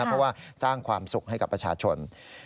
เพราะว่าสร้างความสุขให้กับประชาชน